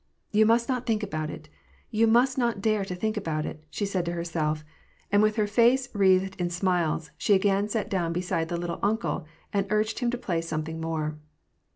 "You must not think about it, you must not dare to think about it," said she to herself ; and, with her face wreathed in smiles, she again sat down beside the " little uncle," and urged him to play something more.